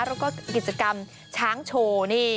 แล้วก็กิจกรรมช้างโชว์นี่